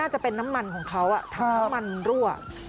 จะเป็นน้ำมันของเขาถังน้ำมันรั่ว